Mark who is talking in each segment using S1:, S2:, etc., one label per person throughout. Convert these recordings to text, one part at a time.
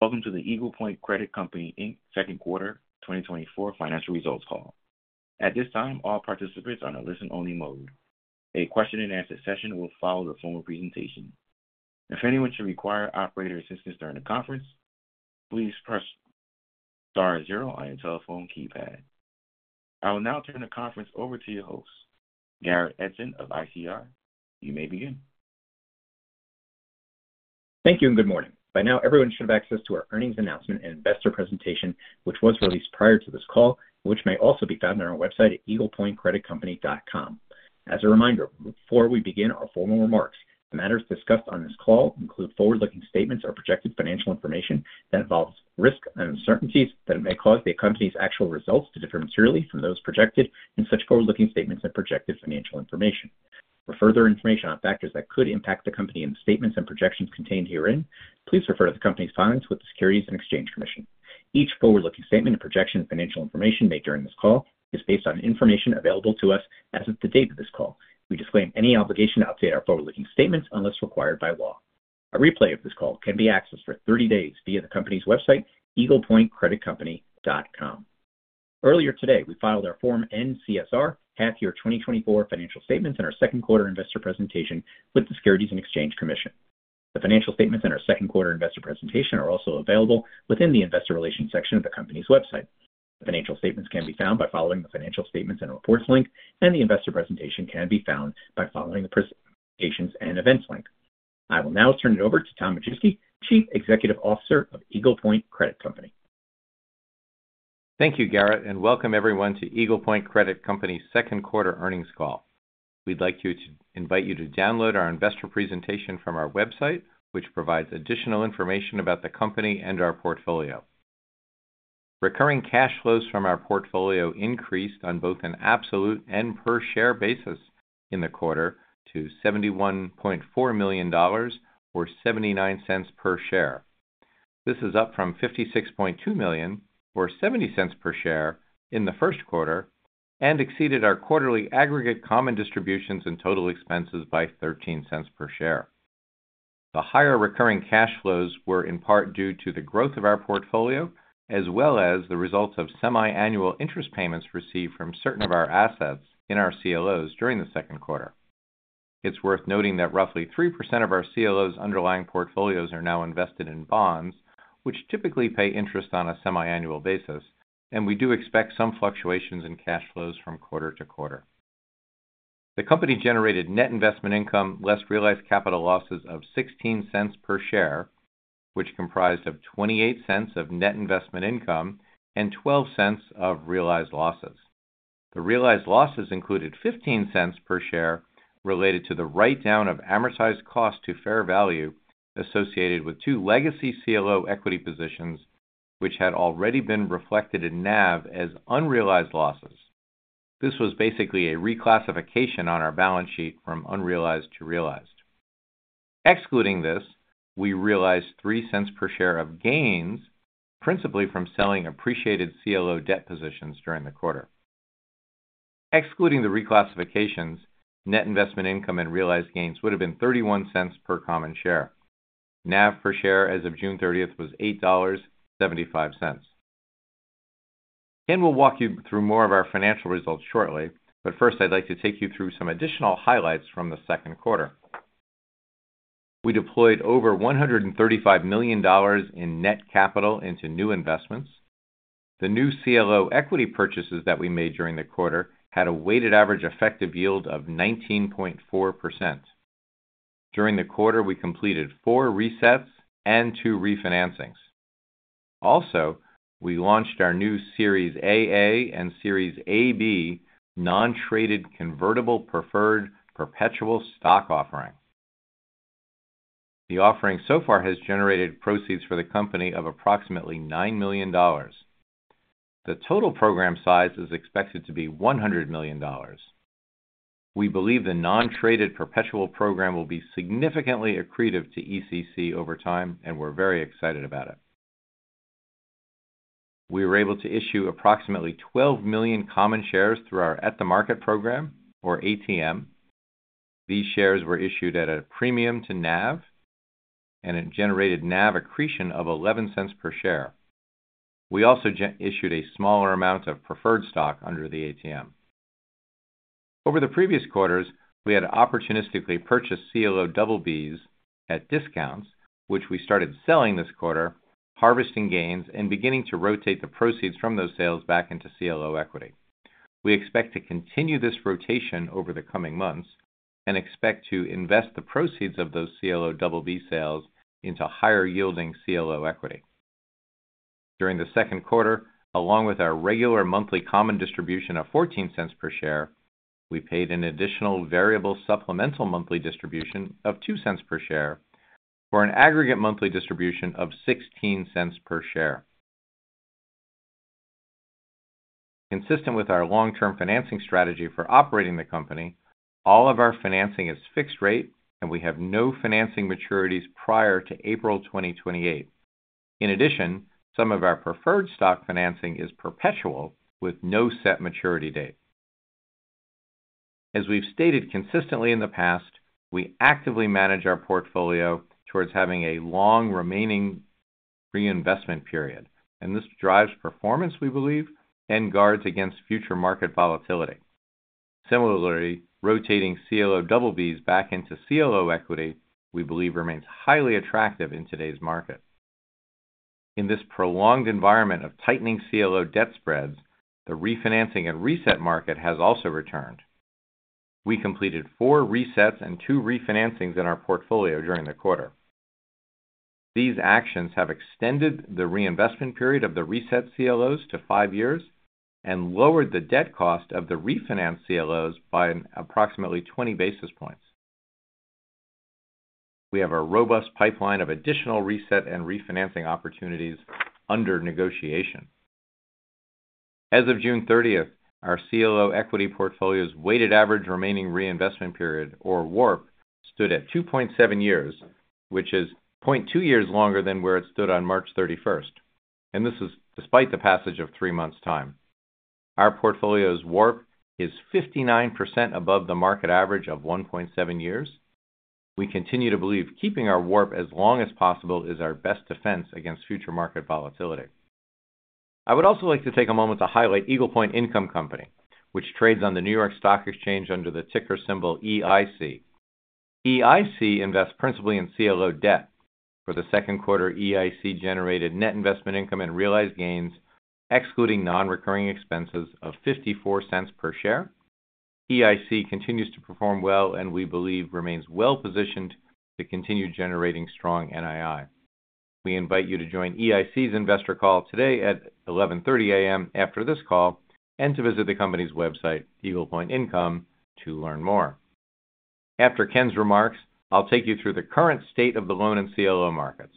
S1: Welcome to the Eagle Point Credit Company Inc. second quarter 2024 financial results call. At this time, all participants are on a listen-only mode. A question-and-answer session will follow the formal presentation. If anyone should require operator assistance during the conference, please press star zero on your telephone keypad. I will now turn the conference over to your host, Garrett Edson of ICR. You may begin.
S2: Thank you, and good morning. By now, everyone should have access to our earnings announcement and investor presentation, which was released prior to this call, which may also be found on our website at eaglepointcreditcompany.com. As a reminder, before we begin our formal remarks, the matters discussed on this call include forward-looking statements or projected financial information that involves risk and uncertainties that may cause the company's actual results to differ materially from those projected in such forward-looking statements and projected financial information. For further information on factors that could impact the Company and the statements and projections contained herein, please refer to the Company's filings with the Securities and Exchange Commission. Each forward-looking statement and projection of financial information made during this call is based on information available to us as of the date of this call. We disclaim any obligation to update our forward-looking statements unless required by law. A replay of this call can be accessed for 30 days via the company's website, eaglepointcreditcompany.com. Earlier today, we filed our Form N-CSR, half year 2024 financial statements, and our second quarter investor presentation with the Securities and Exchange Commission. The financial statements and our second quarter investor presentation are also available within the Investor Relations section of the company's website. The financial statements can be found by following the Financial Statements and Reports link, and the investor presentation can be found by following the Presentations and Events link. I will now turn it over to Tom Majewski, Chief Executive Officer of Eagle Point Credit Company.
S3: Thank you, Garrett, and welcome everyone to Eagle Point Credit Company's second quarter earnings call. We'd like to invite you to download our investor presentation from our website, which provides additional information about the company and our portfolio. Recurring cash flows from our portfolio increased on both an absolute and per share basis in the quarter to $71.4 million or $0.79 per share. This is up from $56.2 million, or $0.70 per share in the first quarter and exceeded our quarterly aggregate common distributions and total expenses by $0.13 per share. The higher recurring cash flows were in part due to the growth of our portfolio, as well as the results of semiannual interest payments received from certain of our assets in our CLOs during the second quarter. It's worth noting that roughly 3% of our CLOs' underlying portfolios are now invested in bonds, which typically pay interest on a semiannual basis, and we do expect some fluctuations in cash flows from quarter to quarter. The company generated net investment income less realized capital losses of $0.16 per share, which comprised of $0.28 of net investment income and $0.12 of realized losses. The realized losses included $0.15 per share related to the write-down of amortized cost to fair value associated with two legacy CLO equity positions, which had already been reflected in NAV as unrealized losses. This was basically a reclassification on our balance sheet from unrealized to realized. Excluding this, we realized $0.03 per share of gains, principally from selling appreciated CLO debt positions during the quarter. Excluding the reclassifications, net investment income and realized gains would have been $0.31 per common share. NAV per share as of June thirtieth was $8.75. Ken will walk you through more of our financial results shortly, but first, I'd like to take you through some additional highlights from the second quarter. We deployed over $135 million in net capital into new investments. The new CLO equity purchases that we made during the quarter had a weighted average effective yield of 19.4%. During the quarter, we completed four resets and two refinancings. Also, we launched our new Series AA and Series AB non-traded convertible preferred perpetual stock offering. The offering so far has generated proceeds for the company of approximately $9 million. The total program size is expected to be $100 million. We believe the non-traded perpetual program will be significantly accretive to ECC over time, and we're very excited about it. We were able to issue approximately 12 million common shares through our At-the-Market program, or ATM. These shares were issued at a premium to NAV and it generated NAV accretion of $0.11 per share. We also issued a smaller amount of preferred stock under the ATM. Over the previous quarters, we had opportunistically purchased CLO BBs at discounts, which we started selling this quarter, harvesting gains and beginning to rotate the proceeds from those sales back into CLO equity. We expect to continue this rotation over the coming months and expect to invest the proceeds of those CLO BB sales into higher-yielding CLO equity. During the second quarter, along with our regular monthly common distribution of $0.14 per share, we paid an additional variable supplemental monthly distribution of $0.02 per share, for an aggregate monthly distribution of $0.16 per share. Consistent with our long-term financing strategy for operating the company, all of our financing is fixed rate, and we have no financing maturities prior to April 2028. In addition, some of our preferred stock financing is perpetual, with no set maturity date. As we've stated consistently in the past, we actively manage our portfolio towards having a long remaining reinvestment period, and this drives performance, we believe, and guards against future market volatility. Similarly, rotating CLO BBs back into CLO equity, we believe remains highly attractive in today's market. In this prolonged environment of tightening CLO debt spreads, the refinancing and reset market has also returned. We completed 4 resets and 2 refinancings in our portfolio during the quarter. These actions have extended the reinvestment period of the reset CLOs to 5 years and lowered the debt cost of the refinance CLOs by approximately 20 basis points. We have a robust pipeline of additional reset and refinancing opportunities under negotiation. As of June thirtieth, our CLO equity portfolio's weighted average remaining reinvestment period, or WARP, stood at 2.7 years, which is 0.2 years longer than where it stood on March thirty-first, and this is despite the passage of 3 months time. Our portfolio's WARP is 59% above the market average of 1.7 years. We continue to believe keeping our WARP as long as possible is our best defense against future market volatility. I would also like to take a moment to highlight Eagle Point Income Company, which trades on the New York Stock Exchange under the ticker symbol EIC. EIC invests principally in CLO debt. For the second quarter, EIC generated net investment income and realized gains, excluding non-recurring expenses of $0.54 per share. EIC continues to perform well and we believe remains well-positioned to continue generating strong NII. We invite you to join EIC's investor call today at 11:30 A.M. after this call, and to visit the company's website, Eagle Point Income, to learn more. After Ken's remarks, I'll take you through the current state of the loan and CLO markets.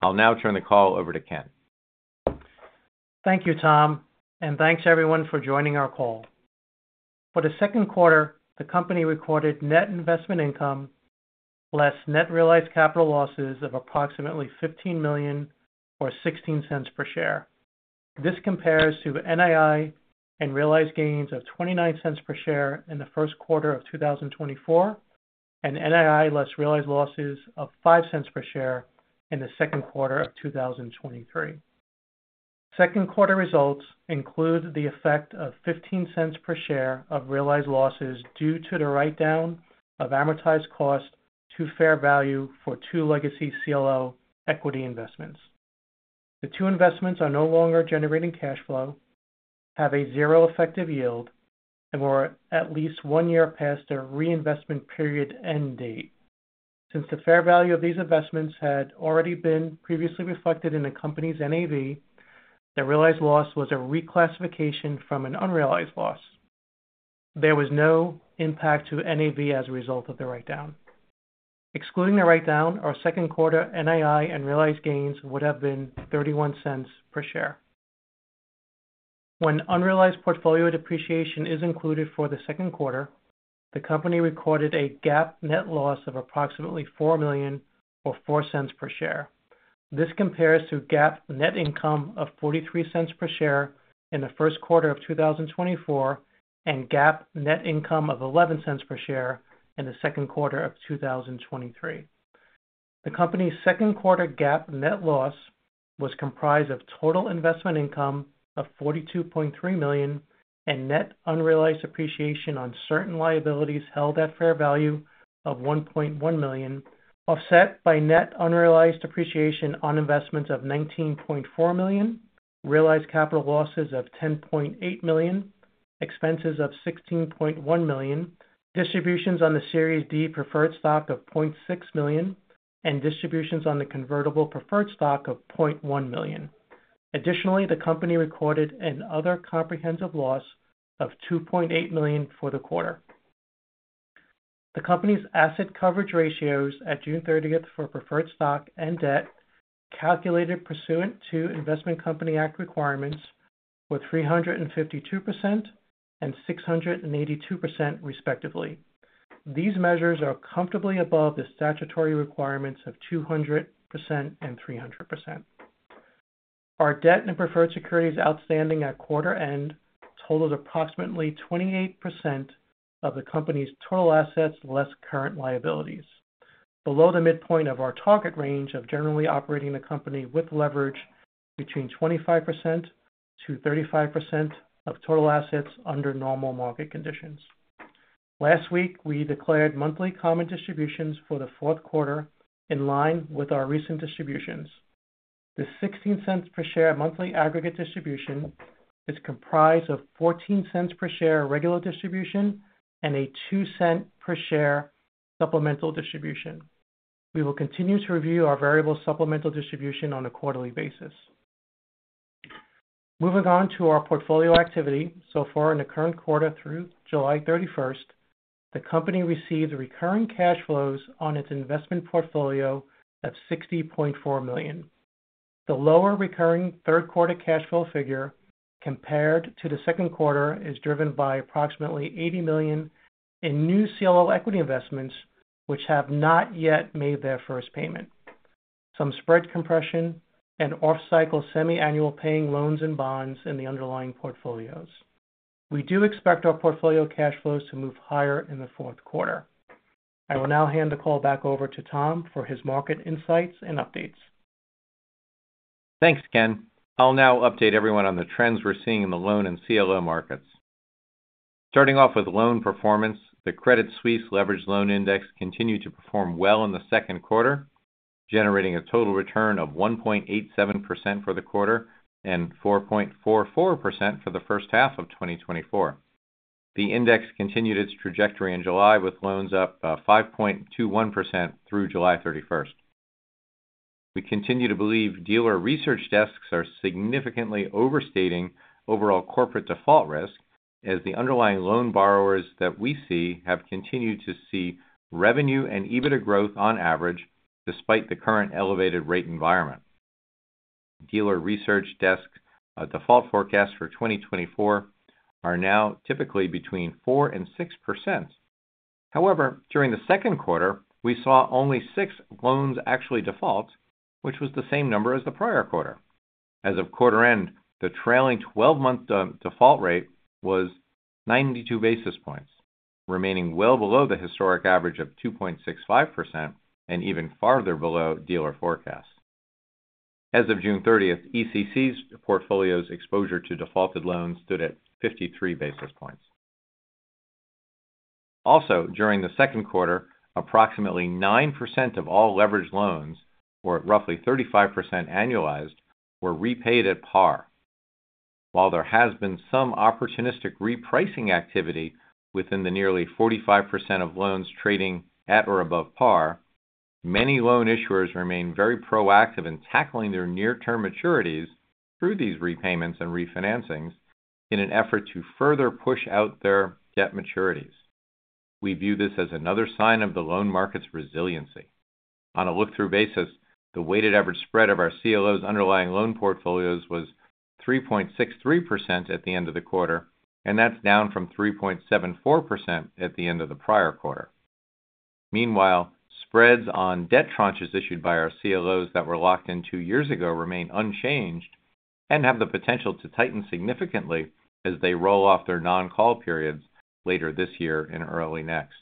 S3: I'll now turn the call over to Ken.
S4: Thank you, Tom, and thanks everyone for joining our call. For the second quarter, the company recorded net investment income less net realized capital losses of approximately $15 million or $0.16 per share. This compares to NII and realized gains of $0.29 per share in the first quarter of 2024, and NII less realized losses of $0.05 per share in the second quarter of 2023. Second quarter results include the effect of $0.15 per share of realized losses due to the write-down of amortized cost to fair value for two legacy CLO equity investments. The two investments are no longer generating cash flow, have a 0 effective yield, and were at least one year past their reinvestment period end date. Since the fair value of these investments had already been previously reflected in the company's NAV, the realized loss was a reclassification from an unrealized loss. There was no impact to NAV as a result of the write-down. Excluding the write-down, our second quarter NII and realized gains would have been $0.31 per share. When unrealized portfolio depreciation is included for the second quarter, the company recorded a GAAP net loss of approximately $4 million or $0.04 per share. This compares to GAAP net income of $0.43 per share in the first quarter of 2024, and GAAP net income of $0.11 per share in the second quarter of 2023. The company's second quarter GAAP net loss was comprised of total investment income of $42.3 million and net unrealized appreciation on certain liabilities held at fair value of $1.1 million, offset by net unrealized appreciation on investments of $19.4 million, realized capital losses of $10.8 million, expenses of $16.1 million, distributions on the Series D preferred stock of $0.6 million, and distributions on the convertible preferred stock of $0.1 million. Additionally, the company recorded an other comprehensive loss of $2.8 million for the quarter. The company's asset coverage ratios at June 30 for preferred stock and debt, calculated pursuant to Investment Company Act requirements, were 352% and 682% respectively. These measures are comfortably above the statutory requirements of 200% and 300%. Our debt and preferred securities outstanding at quarter-end totaled approximately 28% of the company's total assets, less current liabilities, below the midpoint of our target range of generally operating the company with leverage between 25%-35% of total assets under normal market conditions. Last week, we declared monthly common distributions for the fourth quarter in line with our recent distributions. The $0.16 per share monthly aggregate distribution is comprised of $0.14 per share regular distribution and a $0.02 per share supplemental distribution. We will continue to review our variable supplemental distribution on a quarterly basis. Moving on to our portfolio activity. So far in the current quarter through July 31, the company received recurring cash flows on its investment portfolio of $60.4 million. The lower recurring third quarter cash flow figure compared to the second quarter is driven by approximately $80 million in new CLO equity investments, which have not yet made their first payment, some spread compression and off-cycle semiannual paying loans and bonds in the underlying portfolios. We do expect our portfolio cash flows to move higher in the fourth quarter. I will now hand the call back over to Tom for his market insights and updates.
S3: Thanks, Ken. I'll now update everyone on the trends we're seeing in the loan and CLO markets. Starting off with loan performance, the Credit Suisse Leveraged Loan Index continued to perform well in the second quarter, generating a total return of 1.87% for the quarter and 4.44% for the first half of 2024. The index continued its trajectory in July, with loans up 5.21% through July 31. We continue to believe dealer research desks are significantly overstating overall corporate default risk, as the underlying loan borrowers that we see have continued to see revenue and EBITDA growth on average, despite the current elevated rate environment. Dealer research desk default forecast for 2024 are now typically between 4% and 6%. However, during the second quarter, we saw only 6 loans actually default, which was the same number as the prior quarter. As of quarter end, the trailing twelve-month default rate was 92 basis points, remaining well below the historic average of 2.65% and even farther below dealer forecasts. As of June 30, ECC's portfolio's exposure to defaulted loans stood at 53 basis points. Also, during the second quarter, approximately 9% of all leveraged loans, or roughly 35% annualized, were repaid at par. While there has been some opportunistic repricing activity within the nearly 45% of loans trading at or above par, many loan issuers remain very proactive in tackling their near-term maturities through these repayments and refinancings in an effort to further push out their debt maturities. We view this as another sign of the loan market's resiliency. On a look-through basis, the weighted average spread of our CLOs' underlying loan portfolios was 3.63% at the end of the quarter, and that's down from 3.74% at the end of the prior quarter. Meanwhile, spreads on debt tranches issued by our CLOs that were locked in two years ago remain unchanged and have the potential to tighten significantly as they roll off their non-call periods later this year and early next.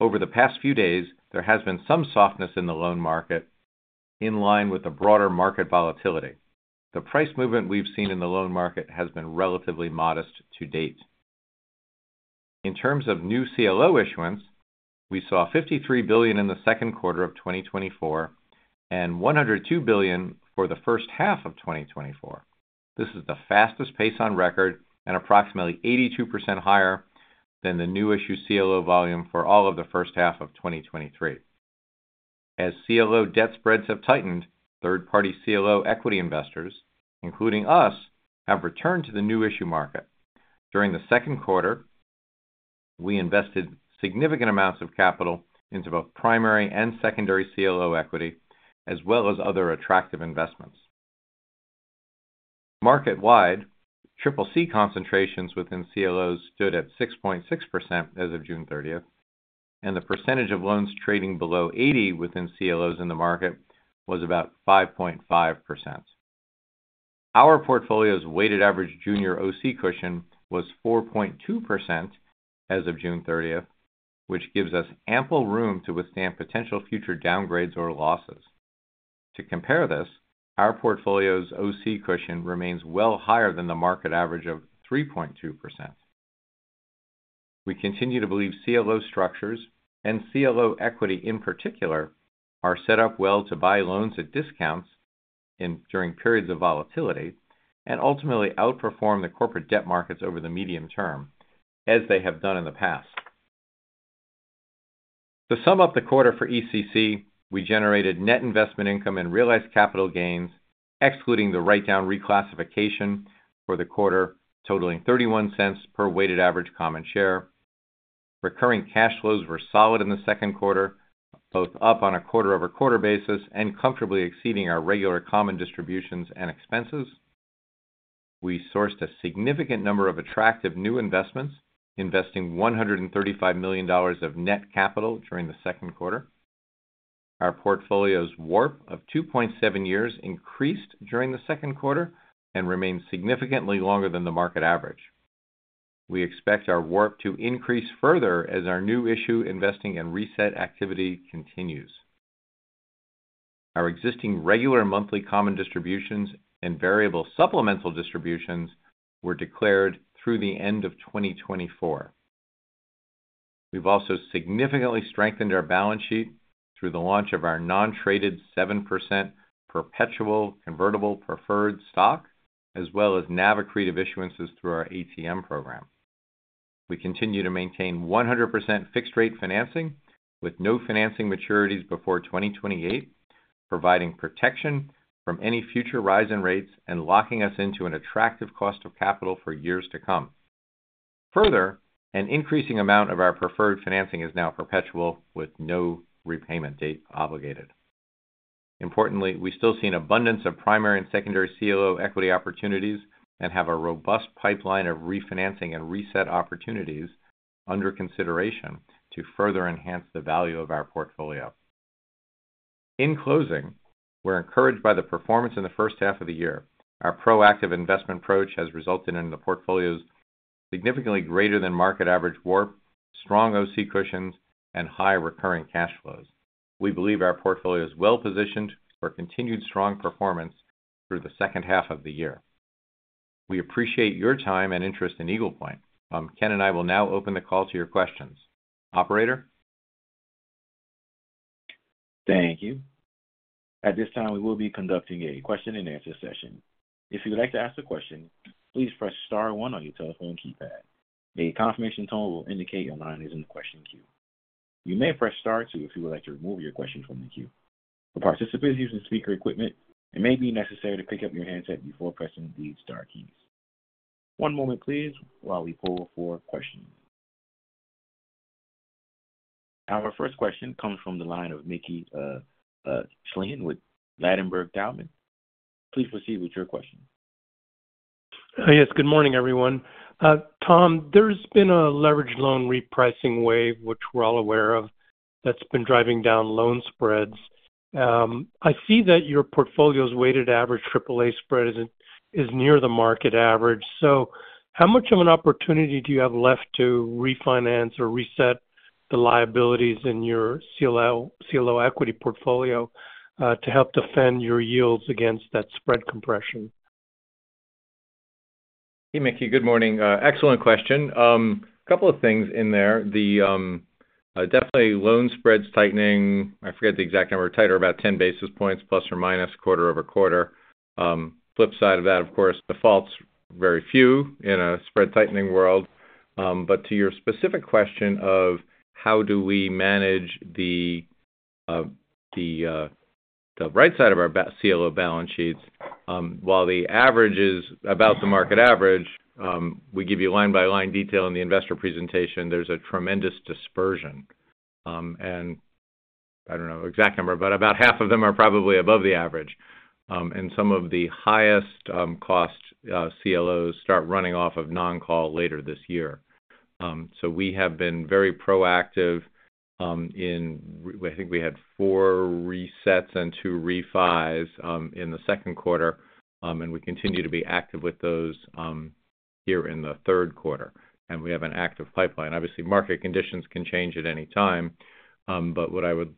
S3: Over the past few days, there has been some softness in the loan market in line with the broader market volatility. The price movement we've seen in the loan market has been relatively modest to date. In terms of new CLO issuance, we saw $53 billion in the second quarter of 2024, and $102 billion for the first half of 2024. This is the fastest pace on record and approximately 82% higher than the new issue CLO volume for all of the first half of 2023. As CLO debt spreads have tightened, third-party CLO equity investors, including us, have returned to the new issue market. During the second quarter, we invested significant amounts of capital into both primary and secondary CLO equity, as well as other attractive investments. Market-wide, CCC concentrations within CLOs stood at 6.6% as of June 30, and the percentage of loans trading below 80 within CLOs in the market was about 5.5%. Our portfolio's weighted average junior OC cushion was 4.2% as of June 30, which gives us ample room to withstand potential future downgrades or losses. To compare this, our portfolio's OC cushion remains well higher than the market average of 3.2%. We continue to believe CLO structures, and CLO equity in particular, are set up well to buy loans at discounts during periods of volatility, and ultimately outperform the corporate debt markets over the medium term, as they have done in the past. To sum up the quarter for ECC, we generated net investment income and realized capital gains, excluding the write-down reclassification for the quarter, totaling $0.31 per weighted average common share. Recurring cash flows were solid in the second quarter, both up on a quarter-over-quarter basis and comfortably exceeding our regular common distributions and expenses. We sourced a significant number of attractive new investments, investing $135 million of net capital during the second quarter. Our portfolio's WARP of 2.7 years increased during the second quarter and remains significantly longer than the market average. We expect our WARP to increase further as our new issue investing and reset activity continues. Our existing regular monthly common distributions and variable supplemental distributions were declared through the end of 2024. We've also significantly strengthened our balance sheet through the launch of our non-traded 7% perpetual convertible preferred stock, as well as NAV accretive issuances through our ATM program. We continue to maintain 100% fixed-rate financing with no financing maturities before 2028, providing protection from any future rise in rates and locking us into an attractive cost of capital for years to come. Further, an increasing amount of our preferred financing is now perpetual, with no repayment date obligated. Importantly, we still see an abundance of primary and secondary CLO equity opportunities and have a robust pipeline of refinancing and reset opportunities under consideration to further enhance the value of our portfolio. In closing, we're encouraged by the performance in the first half of the year. Our proactive investment approach has resulted in the portfolio's significantly greater than market average warp, strong OC cushions, and high recurring cash flows. We believe our portfolio is well-positioned for continued strong performance through the second half of the year. We appreciate your time and interest in Eagle Point. Ken and I will now open the call to your questions. Operator?
S1: Thank you. At this time, we will be conducting a question-and-answer session. If you would like to ask a question, please press star one on your telephone keypad. A confirmation tone will indicate your line is in the question queue. You may press star two if you would like to remove your question from the queue. For participants using speaker equipment, it may be necessary to pick up your handset before pressing the star keys. One moment please while we pull for questions. Our first question comes from the line of Mickey Schleien with Ladenburg Thalmann. Please proceed with your question.
S5: Yes, good morning, everyone. Tom, there's been a leveraged loan repricing wave, which we're all aware of, that's been driving down loan spreads. I see that your portfolio's weighted average AAA spread is near the market average. So how much of an opportunity do you have left to refinance or reset the liabilities in your CLO equity portfolio, to help defend your yields against that spread compression?
S3: Hey, Mickey. Good morning. Excellent question. A couple of things in there. The definitely loan spreads tightening. I forget the exact number, tighter about 10 basis points ± quarter-over-quarter. Flip side of that, of course, defaults, very few in a spread tightening world. But to your specific question of how do we manage the right side of our CLO balance sheets, while the average is about the market average, we give you line-by-line detail in the investor presentation, there's a tremendous dispersion. And I don't know the exact number, but about half of them are probably above the average. And some of the highest cost CLOs start running off of non-call later this year. So we have been very proactive, in—I think we had four resets and two refis, in the second quarter. And we continue to be active with those, here in the third quarter, and we have an active pipeline. Obviously, market conditions can change at any time, but what I would,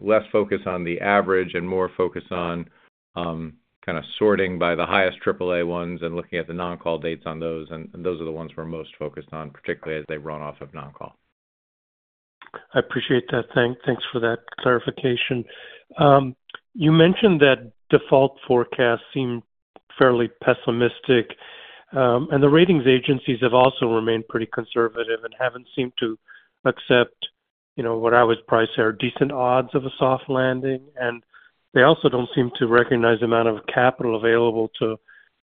S3: less focus on the average and more focus on, kind of sorting by the highest AAA ones and looking at the non-call dates on those, and, and those are the ones we're most focused on, particularly as they run off of non-call.
S5: I appreciate that. Thanks for that clarification. You mentioned that default forecasts seem fairly pessimistic, and the ratings agencies have also remained pretty conservative and haven't seemed to accept, you know, what I would probably say are decent odds of a soft landing. And they also don't seem to recognize the amount of capital available to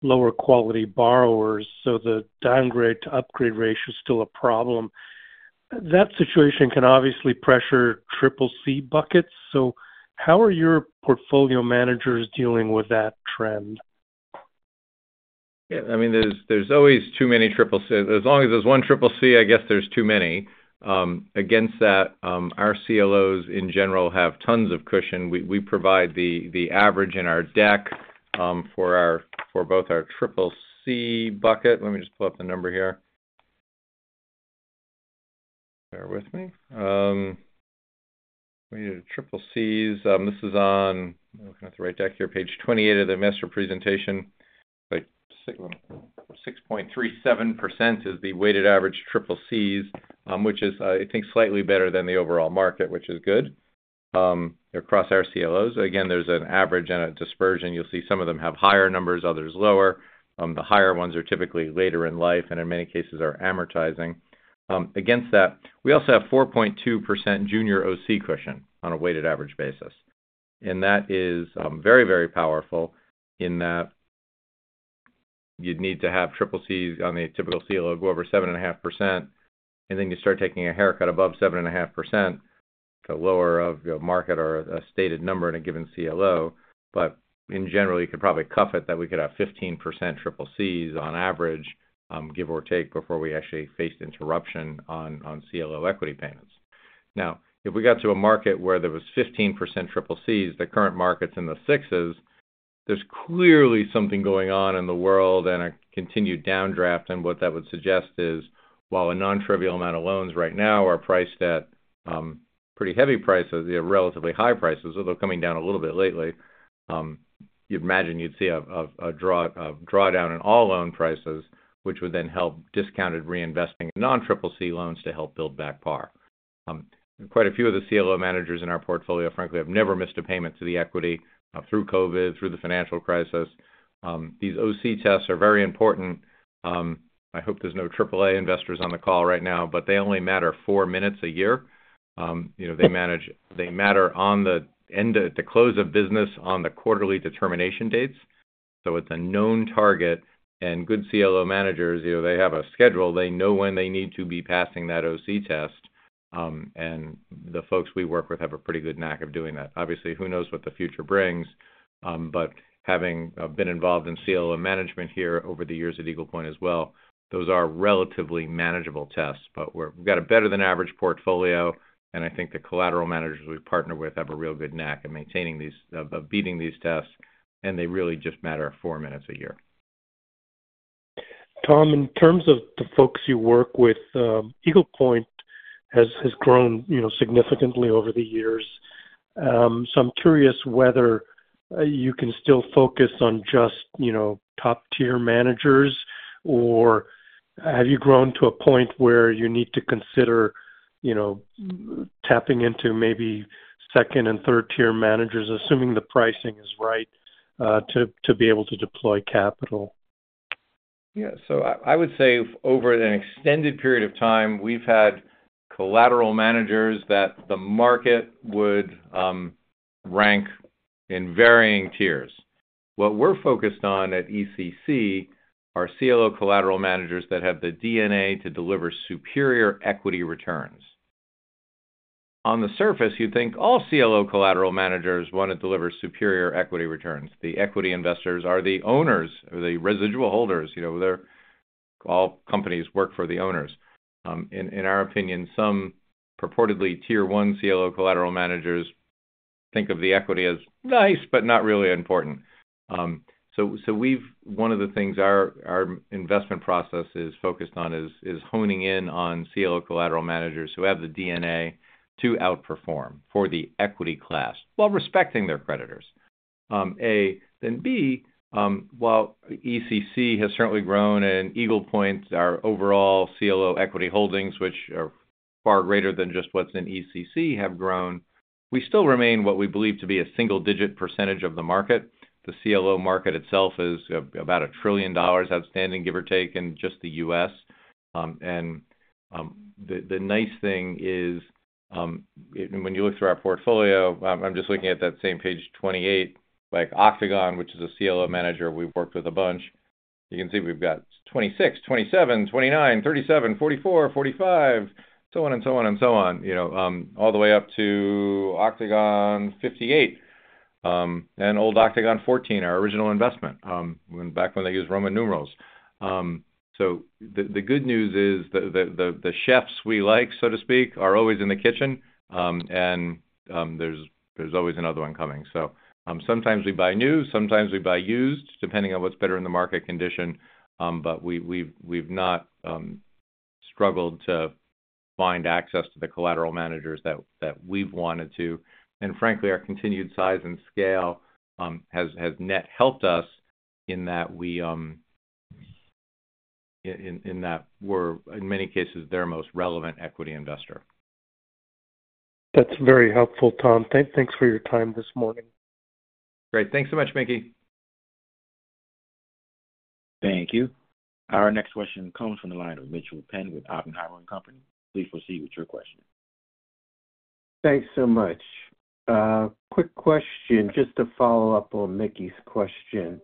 S5: lower quality borrowers, so the downgrade to upgrade ratio is still a problem. That situation can obviously pressure CCC buckets, so how are your portfolio managers dealing with that trend?
S3: Yeah, I mean, there's always too many CCC. As long as there's one CCC, I guess there's too many. Against that, our CLOs, in general, have tons of cushion. We provide the average in our deck for our CCC bucket. Let me just pull up the number here. Bear with me. We had CCCs. This is on, looking at the right deck here, page 28 of the master presentation. Like, 6.37% is the weighted average CCCs, which is, I think, slightly better than the overall market, which is good. Across our CLOs, again, there's an average and a dispersion. You'll see some of them have higher numbers, others lower. The higher ones are typically later in life, and in many cases are amortizing. Against that, we also have 4.2% junior OC cushion on a weighted average basis. And that is very, very powerful in that you'd need to have CCCs on a typical CLO go over 7.5%, and then you start taking a haircut above 7.5%, the lower of your market or a stated number in a given CLO. But in general, you could probably cuff it that we could have 15% CCCs on average, give or take, before we actually faced interruption on CLO equity payments. Now, if we got to a market where there was 15% CCCs, the current market's in the 6s, there's clearly something going on in the world and a continued downdraft. What that would suggest is, while a nontrivial amount of loans right now are priced at pretty heavy prices, they're relatively high prices, although coming down a little bit lately, you'd imagine you'd see a drawdown in all loan prices, which would then help discounted reinvesting in non-CCC loans to help build back par. Quite a few of the CLO managers in our portfolio, frankly, have never missed a payment to the equity through COVID, through the financial crisis. These OC tests are very important. I hope there's no AAA investors on the call right now, but they only matter four minutes a year. You know, they matter on the end, the close of business on the quarterly determination dates. So it's a known target, and good CLO managers, you know, they have a schedule. They know when they need to be passing that OC test. And the folks we work with have a pretty good knack of doing that. Obviously, who knows what the future brings, but having been involved in CLO management here over the years at Eagle Point as well, those are relatively manageable tests. But we've got a better than average portfolio, and I think the collateral managers we partner with have a real good knack at maintaining these, of beating these tests, and they really just matter four minutes a year.
S5: Tom, in terms of the folks you work with, Eagle Point has grown, you know, significantly over the years. So I'm curious whether you can still focus on just, you know, top-tier managers, or have you grown to a point where you need to consider, you know, tapping into maybe second and third-tier managers, assuming the pricing is right, to be able to deploy capital?
S3: Yeah. So I would say over an extended period of time, we've had collateral managers that the market would rank in varying tiers. What we're focused on at ECC are CLO collateral managers that have the DNA to deliver superior equity returns. On the surface, you'd think all CLO collateral managers want to deliver superior equity returns. The equity investors are the owners or the residual holders, you know, they're-- all companies work for the owners. In our opinion, some purportedly tier one CLO collateral managers think of the equity as nice, but not really important. So, one of the things our investment process is focused on is honing in on CLO collateral managers who have the DNA to outperform for the equity class while respecting their creditors, A. Then B, while ECC has certainly grown, and Eagle Point, our overall CLO equity holdings, which are far greater than just what's in ECC, have grown, we still remain what we believe to be a single-digit percentage of the market. The CLO market itself is about $1 trillion outstanding, give or take, in just the U.S. And, the nice thing is, when you look through our portfolio, I'm just looking at that same page 28, like Octagon, which is a CLO manager, we've worked with a bunch. You can see we've got 26, 27, 29, 37, 44, 45, so on and so on and so on, you know, all the way up to Octagon 58, and old Octagon 14, our original investment, back when they used Roman numerals. So the good news is the chefs we like, so to speak, are always in the kitchen, and there's always another one coming. So sometimes we buy new, sometimes we buy used, depending on what's better in the market condition. But we have not struggled to find access to the collateral managers that we've wanted to. And frankly, our continued size and scale has net helped us in that we're in many cases, their most relevant equity investor.
S5: That's very helpful, Tom. Thanks for your time this morning.
S3: Great. Thanks so much, Mickey.
S1: Thank you. Our next question comes from the line of Mitchel Penn with Oppenheimer & Co. Please proceed with your question.
S6: Thanks so much. Quick question, just to follow up on Mickey's question.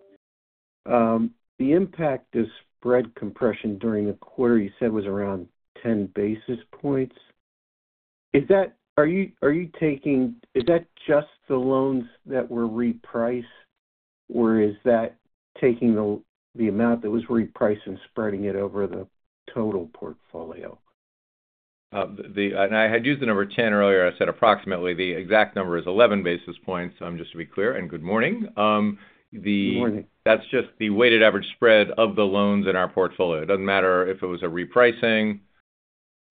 S6: The impact of spread compression during the quarter, you said, was around 10 basis points. Is that just the loans that were repriced, or is that taking the amount that was repriced and spreading it over the total portfolio?
S3: I had used the number 10 earlier. I said, approximately. The exact number is 11 basis points, just to be clear, and good morning.
S6: Good morning.
S3: That's just the Weighted Average Spread of the loans in our portfolio. It doesn't matter if it was a repricing,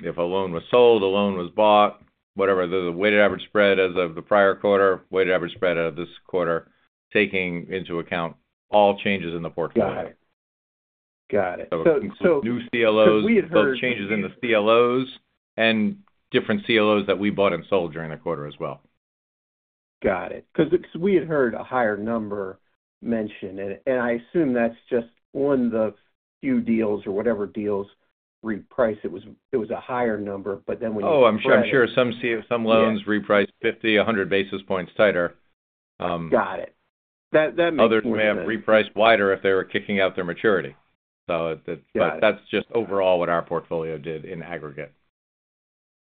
S3: if a loan was sold, a loan was bought, whatever. The Weighted Average Spread as of the prior quarter, Weighted Average Spread out of this quarter, taking into account all changes in the portfolio.
S6: Got it. Got it-
S3: New CLOs-
S6: So we had heard-
S3: Both changes in the CLOs and different CLOs that we bought and sold during the quarter as well.
S6: Got it. 'Cause we had heard a higher number mentioned, and I assume that's just on the few deals or whatever deals repriced. It was a higher number, but then when you-
S3: Oh, I'm sure, I'm sure some loans reprice 50, 100 basis points tighter.
S6: Got it. That makes more sense.
S3: Others may have repriced wider if they were kicking out their maturity. So that-
S6: Got it.
S3: But that's just overall what our portfolio did in aggregate.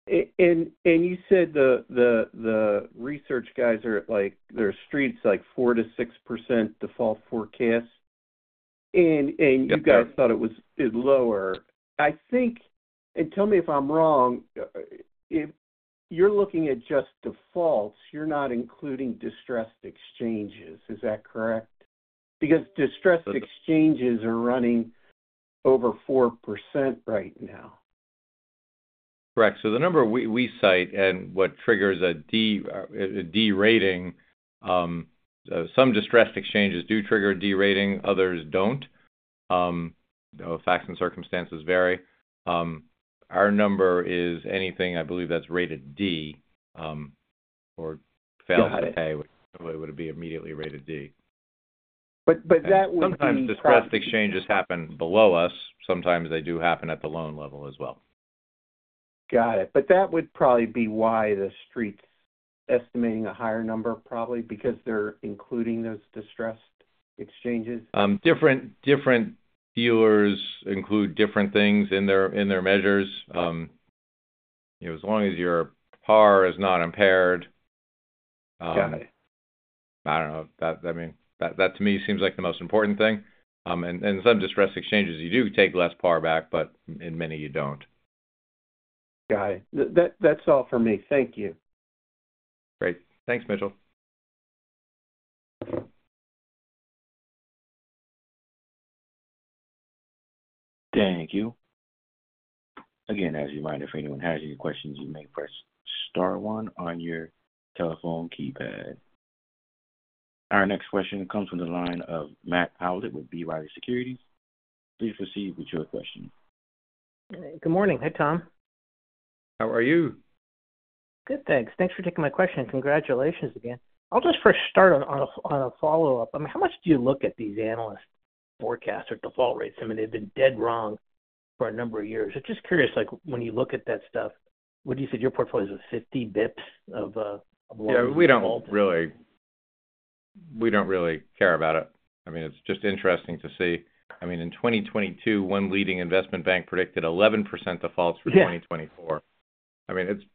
S6: you said the research guys are at, like, their street's like 4%-6% default forecast, and
S3: Yes...
S6: you guys thought it was lower. I think, and tell me if I'm wrong, if you're looking at just defaults, you're not including distressed exchanges. Is that correct? Because distressed exchanges are running over 4% right now.
S3: Correct. So the number we cite and what triggers a D, a D rating, some distressed exchanges do trigger a D rating, others don't. Facts and circumstances vary. Our number is anything, I believe, that's rated D, or failed-
S6: Got it...
S3: to pay, would be immediately rated D.
S6: But that would be-
S3: Sometimes distressed exchanges happen below us, sometimes they do happen at the loan level as well.
S6: Got it. But that would probably be why the Street estimating a higher number, probably because they're including those distressed exchanges?
S3: Different dealers include different things in their measures. You know, as long as your par is not impaired.
S6: Got it.
S3: I don't know. That, I mean, that to me seems like the most important thing. And some distressed exchanges, you do take less par back, but in many you don't.
S6: Got it. That's all for me. Thank you.
S3: Great. Thanks, Mitchel.
S1: Thank you. Again, as a reminder, if anyone has any questions, you may press star one on your telephone keypad. Our next question comes from the line of Matt Howlett with B. Riley Securities. Please proceed with your question.
S7: Good morning. Hey, Tom.
S3: How are you?
S7: Good. Thanks. Thanks for taking my question, and congratulations again. I'll just first start on a follow-up. I mean, how much do you look at these analyst forecasts or default rates? I mean, they've been dead wrong for a number of years. I'm just curious, like, when you look at that stuff, what'd you said your portfolio is of 50 basis points of loans?
S3: Yeah, we don't really... We don't really care about it. I mean, it's just interesting to see. I mean, in 2022, one leading investment bank predicted 11% defaults for 2024.
S7: Yeah.
S3: I mean, it's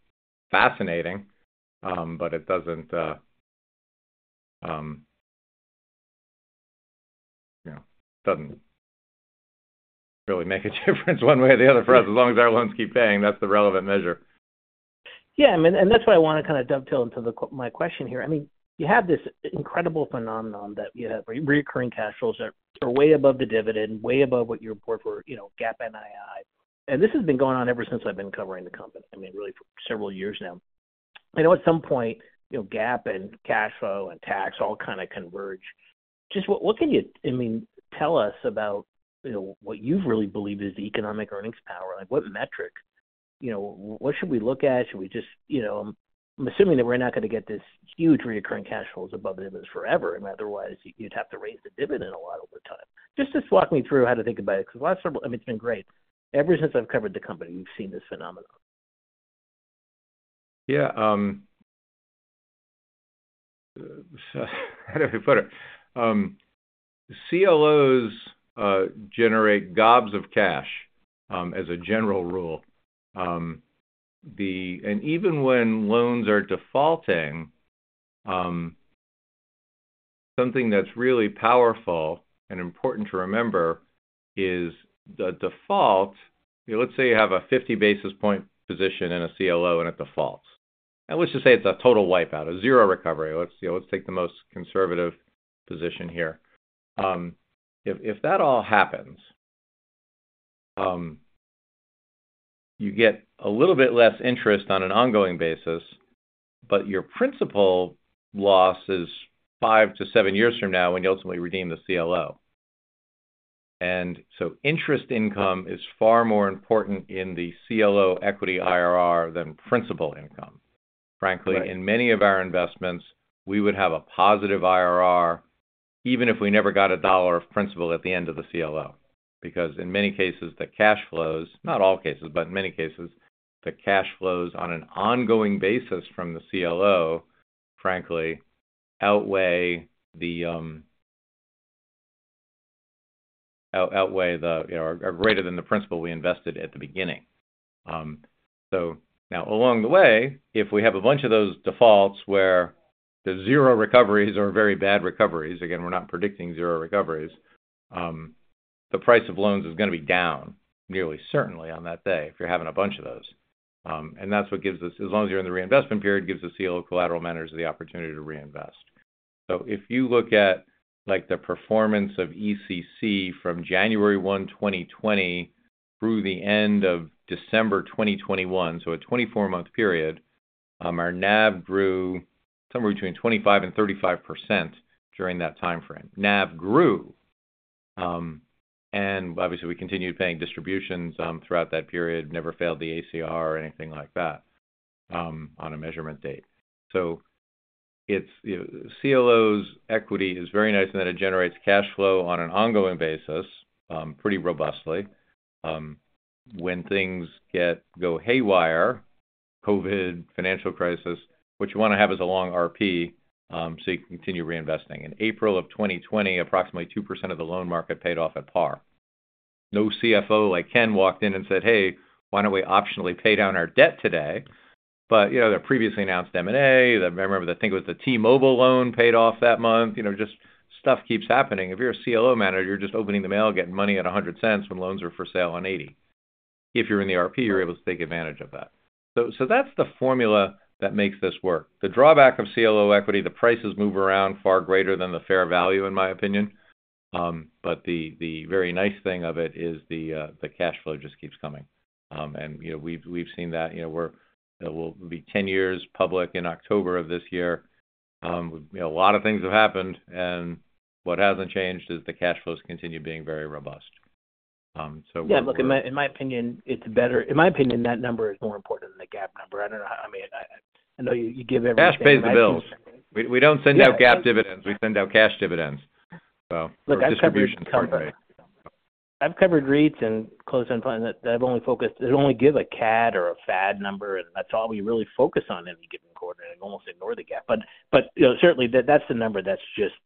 S3: fascinating, but it doesn't, you know, doesn't really make a difference one way or the other for us. As long as our loans keep paying, that's the relevant measure.
S7: Yeah, I mean, and that's why I want to kind of dovetail into my question here. I mean, you have this incredible phenomenon that you have recurring cash flows that are way above the dividend, way above what you report for, you know, GAAP NII. And this has been going on ever since I've been covering the company, I mean, really for several years now. I know at some point, you know, GAAP, and cash flow, and tax, all kind of converge. Just what can you, I mean, tell us about, you know, what you really believe is the economic earnings power? Like, what metric? You know, what should we look at? Should we just, you know... I'm assuming that we're not going to get this huge recurring cash flows above dividends forever, and otherwise, you'd have to raise the dividend a lot over time. Just walk me through how to think about it, because the last several... I mean, it's been great. Ever since I've covered the company, we've seen this phenomenon.
S3: Yeah, how do I put it? CLOs generate gobs of cash, as a general rule. And even when loans are defaulting, something that's really powerful and important to remember is the default. Let's say you have a 50 basis point position in a CLO and it defaults. And let's just say it's a total wipeout, a 0 recovery. Let's, you know, take the most conservative position here. If that all happens, you get a little bit less interest on an ongoing basis, but your principal loss is 5-7 years from now when you ultimately redeem the CLO. And so interest income is far more important in the CLO equity IRR than principal income.
S7: Right.
S3: Frankly, in many of our investments, we would have a positive IRR, even if we never got $1 of principal at the end of the CLO. Because in many cases, the cash flows, not all cases, but in many cases, the cash flows on an ongoing basis from the CLO, frankly, outweigh the, you know, or are greater than the principal we invested at the beginning. So now along the way, if we have a bunch of those defaults where the 0 recoveries are very bad recoveries, again, we're not predicting 0 recoveries, the price of loans is going to be down, nearly certainly on that day, if you're having a bunch of those. And that's what gives us, as long as you're in the reinvestment period, gives the CLO collateral managers the opportunity to reinvest. So if you look at, like, the performance of ECC from January 1, 2020 through the end of December 2021, so a 24-month period, our NAV grew somewhere between 25% and 35% during that timeframe. NAV grew. And obviously, we continued paying distributions throughout that period, never failed the ACR or anything like that on a measurement date. So it's, you know, CLO's equity is very nice in that it generates cash flow on an ongoing basis pretty robustly. When things go haywire, COVID, financial crisis, what you want to have is a long RP so you can continue reinvesting. In April 2020, approximately 2% of the loan market paid off at par. No CFO like Ken walked in and said: "Hey, why don't we optionally pay down our debt today?" But, you know, they previously announced M&A. I remember, I think it was the T-Mobile loan paid off that month. You know, just stuff keeps happening. If you're a CLO manager, you're just opening the mail, getting money at $1.00, when loans are for sale on $0.80. If you're in the RP, you're able to take advantage of that. So, so that's the formula that makes this work. The drawback of CLO equity, the prices move around far greater than the fair value, in my opinion. But the, the very nice thing of it is the, the cash flow just keeps coming. And, you know, we've, we've seen that, you know, we're- it will be 10 years public in October of this year. you know, a lot of things have happened, and what hasn't changed is the cash flows continue being very robust.
S7: Yeah, look, in my opinion, it's better. In my opinion, that number is more important than the GAAP number. I don't know how. I mean, I know you give everything-
S3: Cash pays the bills. We don't send out GAAP dividends.
S7: Yeah.
S3: We send out cash dividends. So-
S7: Look, I've covered-
S3: Or distributions, sorry....
S7: I've covered REITs and closed-end funds that have only focused, they only give a CAD or a FAD number, and that's all we really focus on in a given quarter, and almost ignore the GAAP. But, you know, certainly that, that's the number that's just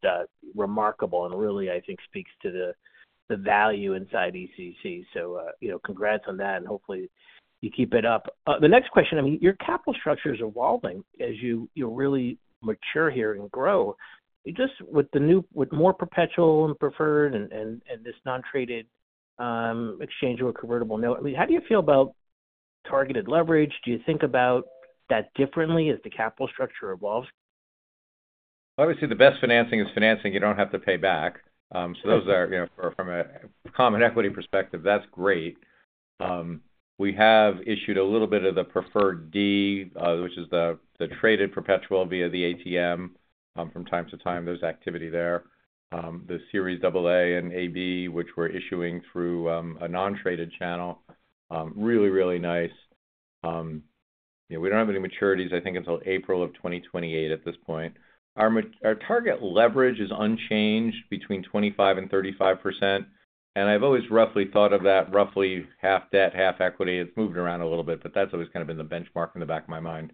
S7: remarkable and really, I think, speaks to the value inside ECC. So, you know, congrats on that, and hopefully you keep it up. The next question, I mean, your capital structure is evolving as you really mature here and grow. You just with more perpetual and preferred and this non-traded exchange or convertible note, I mean, how do you feel about targeted leverage? Do you think about that differently as the capital structure evolves?
S3: Obviously, the best financing is financing you don't have to pay back. So those are, you know, from a common equity perspective, that's great. We have issued a little bit of the Preferred D, which is the traded perpetual via the ATM, from time to time, there's activity there. The Series AA and AB, which we're issuing through a non-traded channel, really, really nice. You know, we don't have any maturities, I think, until April 2028 at this point. Our target leverage is unchanged between 25%-35%, and I've always roughly thought of that, roughly half debt, half equity. It's moved around a little bit, but that's always kind of been the benchmark in the back of my mind.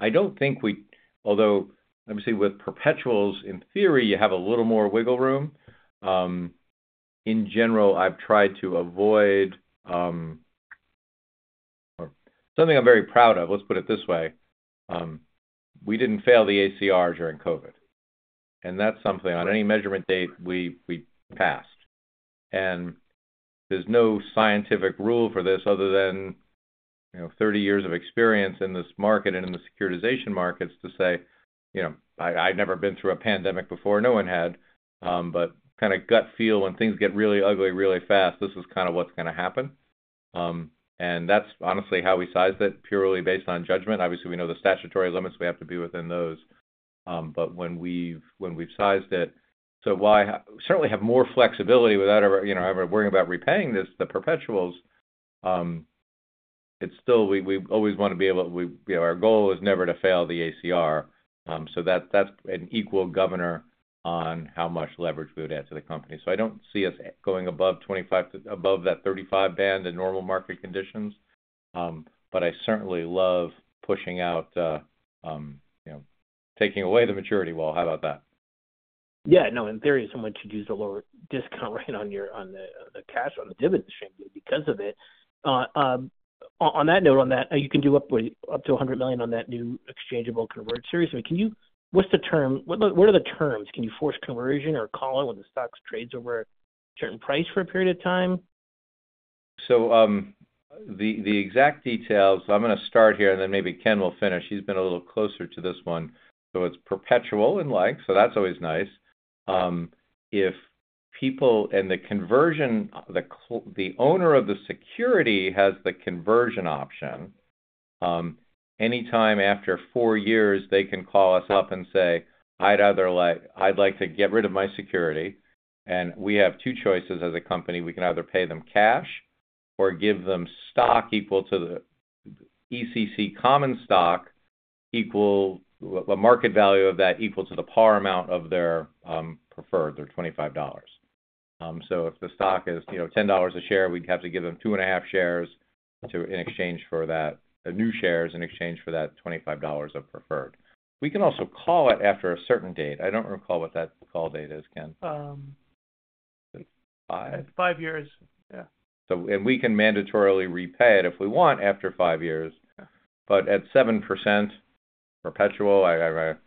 S3: I don't think we—although, obviously, with perpetuals, in theory, you have a little more wiggle room. In general, I've tried to avoid... Something I'm very proud of, let's put it this way, we didn't fail the ACR during COVID, and that's something on any measurement date, we, we passed. And there's no scientific rule for this other than, you know, 30 years of experience in this market and in the securitization markets to say, you know, I, I've never been through a pandemic before. No one had, but kind of gut feel when things get really ugly, really fast, this is kind of what's going to happen. And that's honestly how we sized it, purely based on judgment. Obviously, we know the statutory limits, we have to be within those. But when we've sized it—so while I certainly have more flexibility without, you know, ever worrying about repaying this, the perpetuals, it's still we always want to be able—we, you know, our goal is never to fail the ACR. So that's an equal governor on how much leverage we would add to the company. So I don't see us going above 25, above that 35 band in normal market conditions. But I certainly love pushing out, you know, taking away the maturity wall. How about that?
S7: Yeah. No, in theory, someone should use a lower discount rate on your—on the cash, on the dividend stream because of it. On that note, you can do up to $100 million on that new exchangeable convertible series. I mean, can you—what's the term? What are the terms? Can you force conversion or call it when the stock trades over a certain price for a period of time?
S3: So, the exact details, I'm gonna start here, and then maybe Ken will finish. He's been a little closer to this one. So it's perpetual, like, so that's always nice. If people – and the conversion, the owner of the security has the conversion option. Anytime after four years, they can call us up and say, "I'd rather like – I'd like to get rid of my security," and we have two choices as a company: We can either pay them cash or give them stock equal to ECC common stock, equal to the market value of that, equal to the par amount of their preferred, their $25. So if the stock is, you know, $10 a share, we'd have to give them 2.5 shares in exchange for that new shares in exchange for that $25 of preferred. We can also call it after a certain date. I don't recall what that call date is, Ken. Five?
S4: Five years. Yeah.
S3: And we can mandatorily repay it if we want, after five years.
S4: Yeah.
S3: But at 7% perpetual,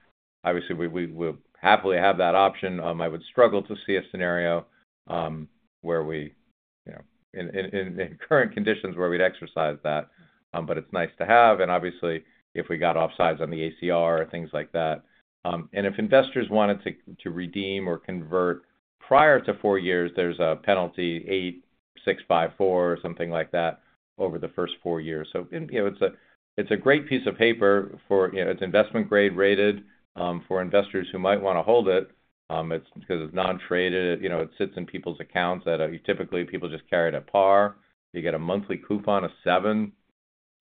S3: obviously, we'll happily have that option. I would struggle to see a scenario where we, you know, in current conditions where we'd exercise that, but it's nice to have, and obviously, if we got offsides on the ACR, things like that. And if investors wanted to redeem or convert prior to four years, there's a penalty, 8, 6, 5, 4, or something like that, over the first four years. So, you know, it's a great piece of paper for, you know, it's investment grade rated, for investors who might want to hold it. It's because it's non-traded, you know, it sits in people's accounts that are typically people just carry it at par. You get a monthly coupon of 7%,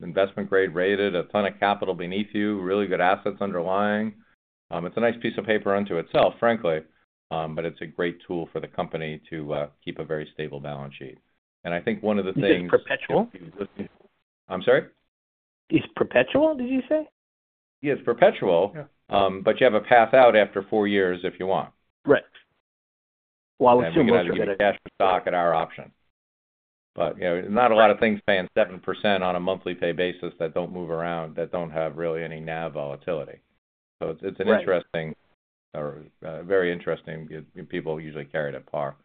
S3: investment-grade rated, a ton of capital beneath you, really good assets underlying. It's a nice piece of paper unto itself, frankly, but it's a great tool for the company to keep a very stable balance sheet. And I think one of the things-
S7: You said perpetual?
S3: I'm sorry?
S7: It's perpetual, did you say?
S3: Yeah, it's perpetual.
S7: Yeah.
S3: But you have a path out after four years if you want.
S7: Right. Well, I would assume-
S3: We give you cash for stock at our option. But, you know, not a lot of things paying 7% on a monthly pay basis that don't move around, that don't have really any NAV volatility.
S7: Right.
S3: So it's an interesting or a very interesting, people usually carry it at par.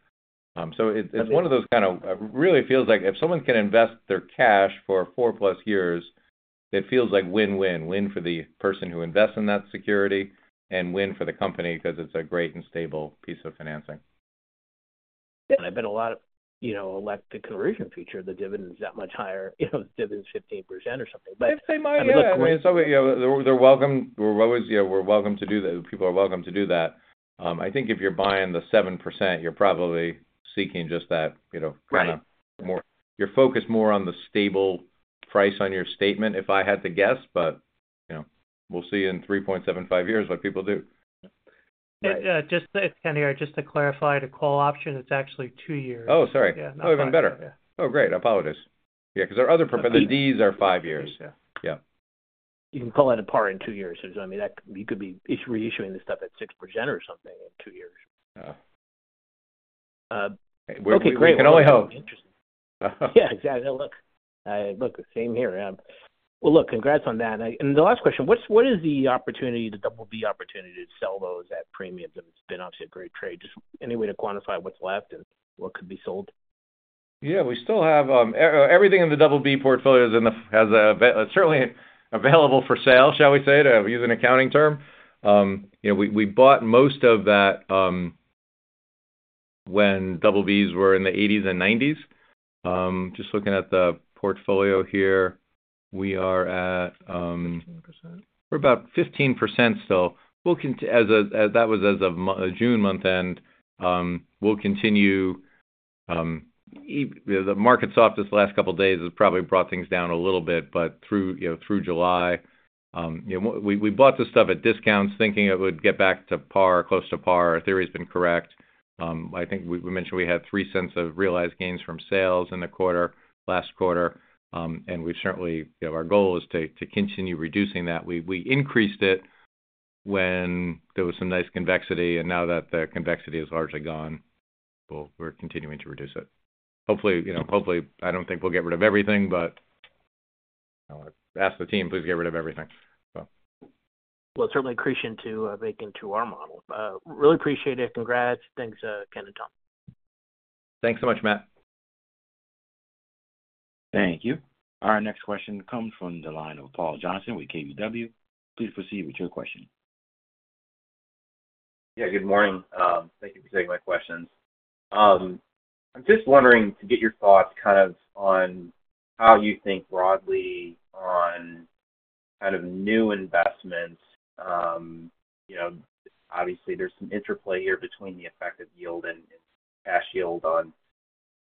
S3: So it's, it's one of those kind of really feels like if someone can invest their cash for 4+ years, it feels like win-win. Win for the person who invests in that security, and win for the company because it's a great and stable piece of financing.
S7: Yeah, and I bet a lot of, you know, elect the conversion feature, the dividend is that much higher, you know, dividend's 15% or something, but-
S3: If they might, I mean, it's, you know, they're welcome- we're always, you know, we're welcome to do that. People are welcome to do that. I think if you're buying the 7%, you're probably seeking just that, you know-
S7: Right...
S3: kind of more - you're focused more on the stable price on your statement, if I had to guess, but, you know, we'll see you in 3.75 years, what people do....
S4: Yeah, just, it's Ken here. Just to clarify, the call option, it's actually two years.
S3: Oh, sorry.
S7: Yeah.
S3: Oh, even better. Oh, great, apologies. Yeah, because our other preferred, the Ds are five years.
S7: Yeah.
S3: Yeah.
S7: You can call that a par in two years. So I mean, that you could be reissuing this stuff at 6% or something in two years.
S3: Yeah.
S7: Okay, great.
S3: We can only hope.
S7: Yeah, exactly. Look, look, the same here. Well, look, congrats on that. And the last question, what is the opportunity, the BB opportunity to sell those at premiums? And it's been obviously a great trade. Just any way to quantify what's left and what could be sold.
S3: Yeah, we still have everything in the BB portfolio is certainly available for sale, shall we say, to use an accounting term. You know, we bought most of that when BBs were in the eighties and nineties. Just looking at the portfolio here, we are at-
S7: Fifteen percent.
S3: We're about 15% still. We'll continue. That was as of mid-June month end. We'll continue. The market's off this last couple of days has probably brought things down a little bit, but through, you know, through July, you know, we bought this stuff at discounts, thinking it would get back to par, close to par. Our theory has been correct. I think we mentioned we had $0.03 of realized gains from sales in the quarter, last quarter. And we certainly, you know, our goal is to continue reducing that. We increased it when there was some nice convexity, and now that the convexity is largely gone, well, we're continuing to reduce it. Hopefully, you know, hopefully, I don't think we'll get rid of everything, but, you know, ask the team, please get rid of everything, so.
S7: Well, it's certainly accretive to our model. Really appreciate it. Congrats. Thanks, Ken and Tom.
S3: Thanks so much, Matt.
S1: Thank you. Our next question comes from the line of Paul Johnson with KBW. Please proceed with your question.
S8: Yeah, good morning. Thank you for taking my questions. I'm just wondering to get your thoughts, kind of, on how you think broadly on kind of new investments. You know, obviously there's some interplay here between the effective yield and, and cash yield on,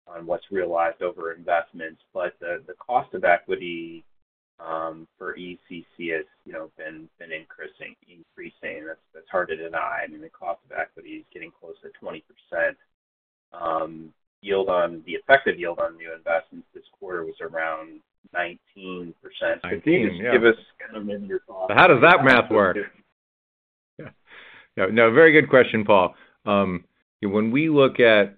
S8: on what's realized over investments, but the, the cost of equity, for ECC has, you know, been, been increasing, increasing. That's, that's hard to deny. I mean, the cost of equity is getting close to 20%. The effective yield on new investments this quarter was around 19%.
S3: Nineteen, yeah.
S8: Give us kind of in your thoughts-
S3: How does that math work? Yeah. No, no, very good question, Paul. When we look at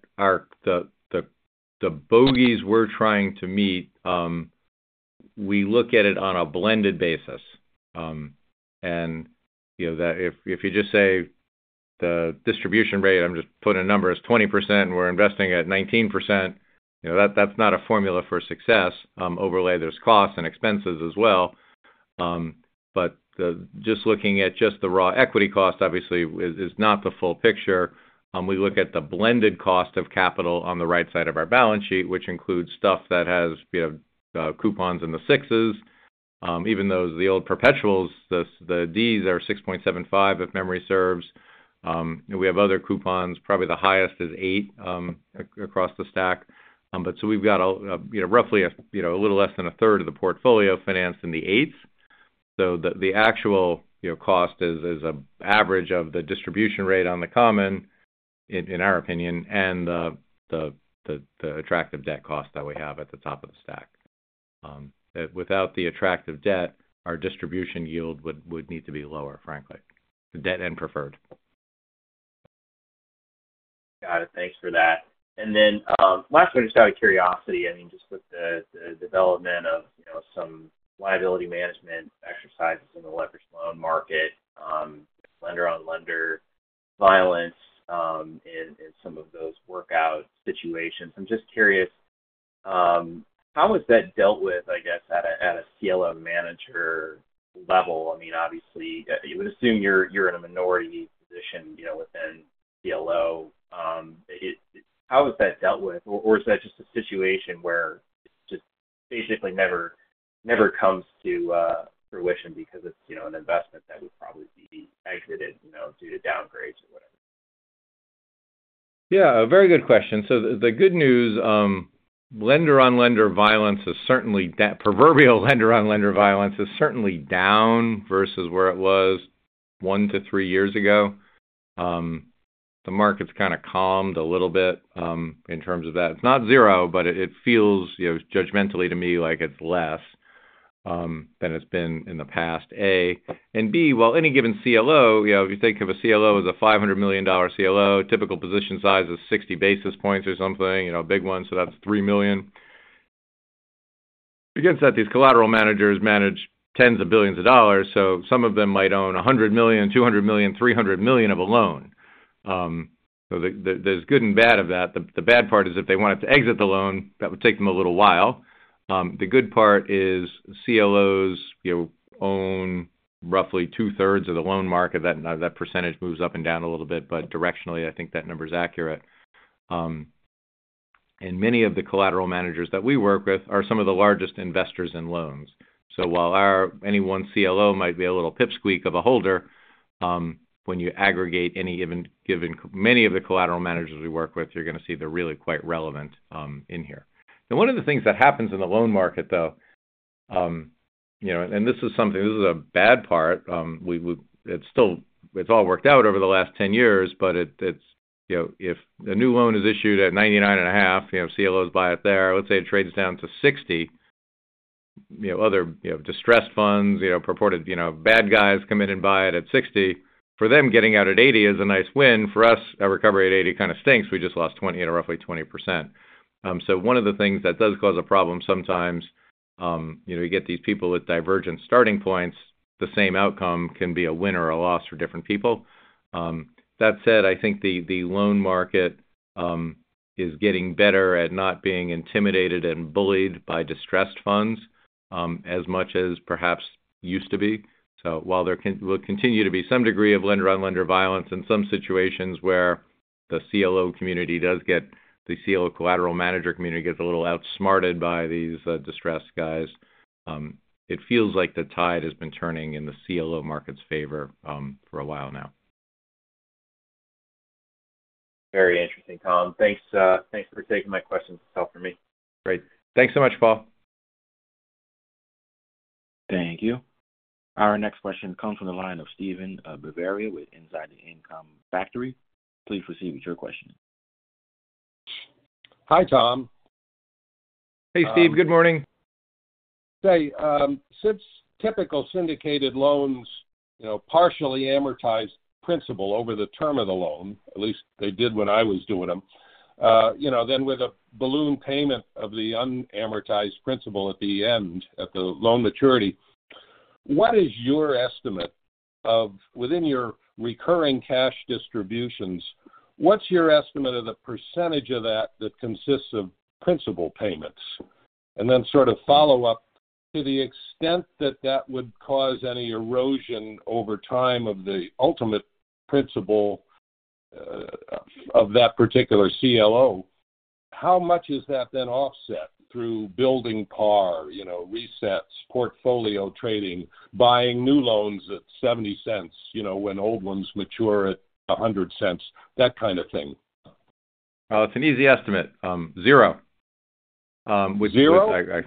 S3: the bogeys we're trying to meet, we look at it on a blended basis. And, you know, that if you just say the distribution rate, I'm just putting a number, is 20%, we're investing at 19%, you know, that that's not a formula for success. Overlay, there's costs and expenses as well. But just looking at just the raw equity cost obviously is not the full picture. We look at the blended cost of capital on the right side of our balance sheet, which includes stuff that has, you know, coupons in the sixes. Even those, the old perpetuals, the Ds are 6.75%, if memory serves. And we have other coupons. Probably the highest is 8 across the stack. But so we've got, you know, roughly a little less than a third of the portfolio financed in the 8s. So the actual, you know, cost is an average of the distribution rate on the common, in our opinion, and the attractive debt cost that we have at the top of the stack. Without the attractive debt, our distribution yield would need to be lower, frankly. The debt and preferred.
S8: Got it. Thanks for that. And then, lastly, just out of curiosity, I mean, just with the development of, you know, some liability management exercises in the leveraged loan market, lender-on-lender violence, in some of those workout situations. I'm just curious, how is that dealt with, I guess, at a CLO manager level? I mean, obviously, you would assume you're in a minority position, you know, within CLO. How is that dealt with? Or is that just a situation where it's just basically never comes to fruition because it's, you know, an investment that would probably be exited, you know, due to downgrades or whatever?
S3: Yeah, a very good question. So the good news, lender-on-lender violence is certainly... That proverbial lender-on-lender violence is certainly down versus where it was 1-3 years ago. The market's kind of calmed a little bit, in terms of that. It's not zero, but it feels, you know, judgmentally to me, like it's less than it's been in the past. A. And B, while any given CLO, you know, if you think of a CLO as a $500 million CLO, typical position size is 60 basis points or something, you know, a big one, so that's $3 million. Against that, these collateral managers manage $10s of billions of dollars, so some of them might own $100 million, $200 million, $300 million of a loan. So there, there's good and bad of that. The bad part is if they wanted to exit the loan, that would take them a little while. The good part is CLOs, you know, own roughly two-thirds of the loan market. That now that percentage moves up and down a little bit, but directionally, I think that number is accurate. And many of the collateral managers that we work with are some of the largest investors in loans. So while our any one CLO might be a little pipsqueak of a holder, when you aggregate any given many of the collateral managers we work with, you're going to see they're really quite relevant, in here. And one of the things that happens in the loan market, though. You know, and this is something, this is a bad part. It's all worked out over the last 10 years, but it's, you know, if a new loan is issued at 99.5, you know, CLOs buy it there. Let's say it trades down to 60, you know, other, you know, distressed funds, you know, purported, you know, bad guys come in and buy it at 60. For them, getting out at 80 is a nice win. For us, a recovery at 80 kind of stinks. We just lost 20 at a roughly 20%. So one of the things that does cause a problem sometimes, you know, you get these people with divergent starting points, the same outcome can be a win or a loss for different people. That said, I think the loan market is getting better at not being intimidated and bullied by distressed funds as much as perhaps used to be. So while there will continue to be some degree of lender-on-lender violence in some situations where the CLO community the CLO collateral manager community gets a little outsmarted by these distressed guys, it feels like the tide has been turning in the CLO market's favor for a while now.
S8: Very interesting, Tom. Thanks, thanks for taking my questions, helping me.
S3: Great. Thanks so much, Paul.
S1: Thank you. Our next question comes from the line of Steven Bavaria, with Inside the Income Factory. Please proceed with your question.
S9: Hi, Tom.
S3: Hey, Steve. Good morning.
S9: Say, since typical syndicated loans, you know, partially amortized principal over the term of the loan, at least they did when I was doing them, you know, then with a balloon payment of the unamortized principal at the end, at the loan maturity, what is your estimate of... Within your recurring cash distributions, what's your estimate of the percentage of that, that consists of principal payments? And then sort of follow up, to the extent that that would cause any erosion over time of the ultimate principal, of that particular CLO, how much is that then offset through building par, you know, resets, portfolio trading, buying new loans at 70 cents, you know, when old ones mature at 100 cents, that kind of thing?
S3: Well, it's an easy estimate, zero. With-
S9: Zero?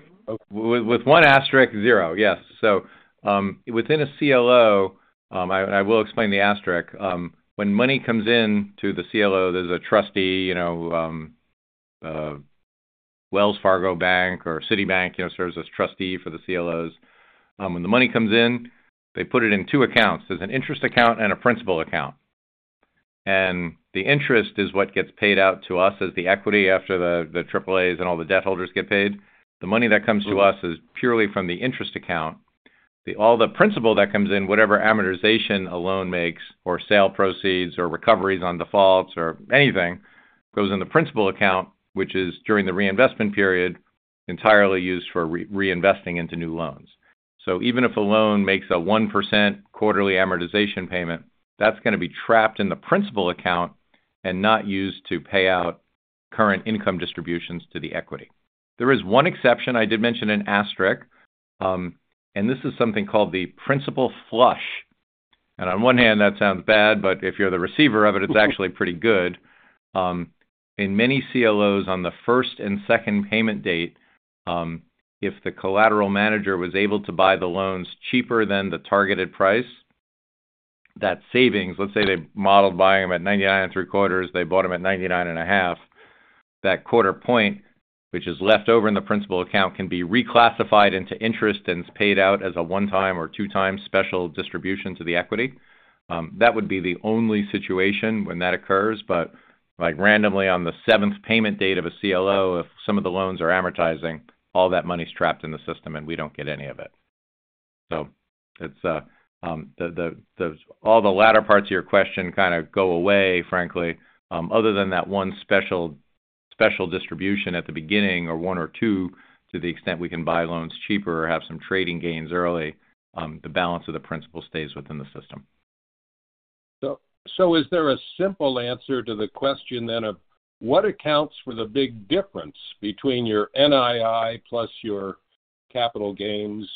S3: With one asterisk, zero. Yes. So, within a CLO, I will explain the asterisk. When money comes in to the CLO, there's a trustee, you know, Wells Fargo Bank or Citibank, you know, serves as trustee for the CLOs. When the money comes in, they put it in two accounts. There's an interest account and a principal account, and the interest is what gets paid out to us as the equity after the AAAs and all the debt holders get paid. The money that comes to us is purely from the interest account. All the principal that comes in, whatever amortization a loan makes, or sale proceeds, or recoveries on defaults, or anything, goes in the principal account, which is, during the reinvestment period, entirely used for reinvesting into new loans. So even if a loan makes a 1% quarterly amortization payment, that's gonna be trapped in the principal account and not used to pay out current income distributions to the equity. There is one exception. I did mention an asterisk, and this is something called the principal flush. And on one hand, that sounds bad, but if you're the receiver of it, it's actually pretty good. In many CLOs, on the first and second payment date, if the collateral manager was able to buy the loans cheaper than the targeted price, that savings... Let's say they modeled buying them at 99.75, they bought them at 99.5. That 0.25 point, which is left over in the principal account, can be reclassified into interest, and it's paid out as a one-time or two-time special distribution to the equity. That would be the only situation when that occurs, but, like, randomly, on the seventh payment date of a CLO, if some of the loans are amortizing, all that money's trapped in the system, and we don't get any of it. So it's all the latter parts of your question kind of go away, frankly, other than that one special distribution at the beginning, or one or two, to the extent we can buy loans cheaper or have some trading gains early, the balance of the principal stays within the system.
S9: So, is there a simple answer to the question then of what accounts for the big difference between your NII plus your capital gains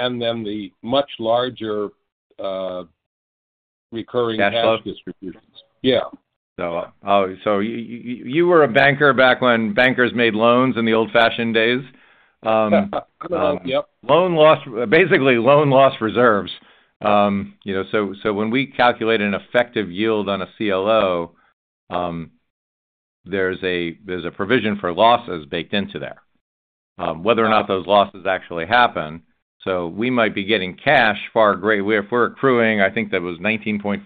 S9: and then the much larger recurring-
S3: Cash flow?
S9: -distributions? Yeah.
S3: So, you were a banker back when bankers made loans in the old-fashioned days?
S9: Yep.
S3: Loan loss—Basically, loan loss reserves. You know, so, so when we calculate an effective yield on a CLO, there's a, there's a provision for losses baked into there, whether or not those losses actually happen. So we might be getting cash far and great. We—If we're accruing, I think that was 19.4%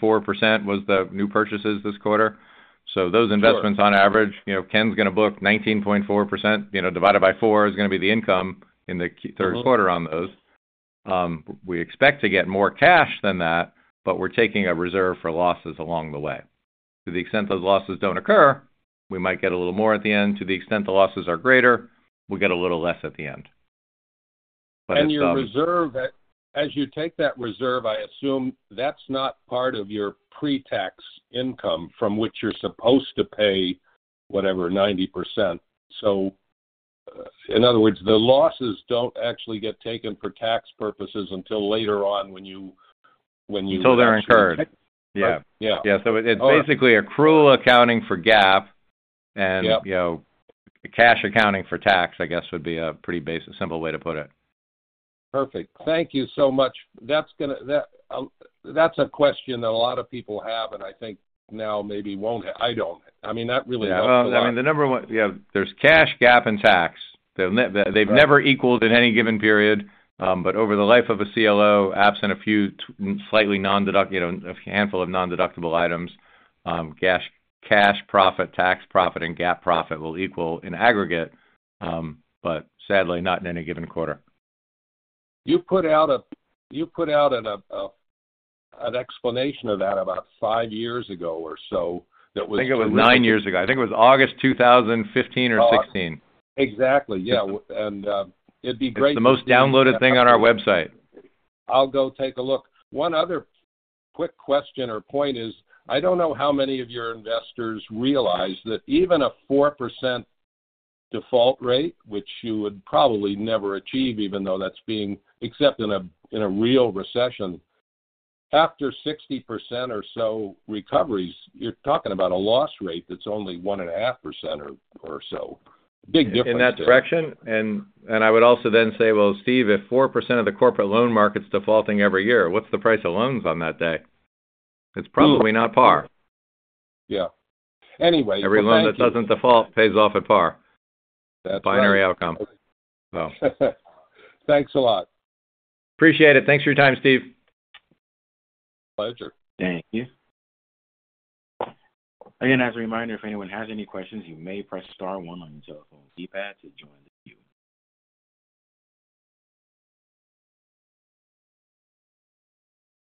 S3: was the new purchases this quarter.
S9: Sure.
S3: So those investments, on average, you know, Ken's gonna book 19.4%, you know, divided by four is gonna be the income in the q-
S9: Mm-hmm.
S3: third quarter on those. We expect to get more cash than that, but we're taking a reserve for losses along the way. To the extent those losses don't occur, we might get a little more at the end. To the extent the losses are greater, we'll get a little less at the end. But it's,
S9: Your reserve... As you take that reserve, I assume that's not part of your pre-tax income from which you're supposed to pay, whatever, 90%. So in other words, the losses don't actually get taken for tax purposes until later on when you-
S3: Till they're incurred.
S9: Yeah.
S3: Yeah. So it's basically accrual accounting for GAAP. And, you know, the cash accounting for tax, I guess, would be a pretty basic, simple way to put it.
S9: Perfect. Thank you so much. That's gonna—that, that's a question that a lot of people have, and I think now maybe won't. I don't. I mean, that really-
S3: Yeah, well, I mean, there's cash, GAAP, and tax. They've never equaled in any given period, but over the life of a CLO, absent a few slightly nondeductible, you know, a handful of nondeductible items, cash, cash profit, tax profit, and GAAP profit will equal in aggregate, but sadly, not in any given quarter.
S9: You put out an explanation of that about five years ago or so that was-
S3: I think it was nine years ago. I think it was August 2015 or 2016.
S9: Exactly, yeah. And it'd be great-
S3: It's the most downloaded thing on our website.
S9: I'll go take a look. One other quick question or point is, I don't know how many of your investors realize that even a 4% default rate, which you would probably never achieve, even though that's being accepted in a real recession. After 60% or so recoveries, you're talking about a loss rate that's only 1.5% or so. Big difference.
S3: In that direction. And I would also then say, well, Steve, if 4% of the corporate loan market's defaulting every year, what's the price of loans on that day? It's probably not par.
S9: Yeah. Anyway-
S3: Every loan that doesn't default pays off at par.
S9: That's right.
S3: Binary outcome. So.
S9: Thanks a lot.
S3: Appreciate it. Thanks for your time, Steve.
S9: Pleasure.
S1: Thank you. Again, as a reminder, if anyone has any questions, you may press star one on your telephone keypad to join the queue.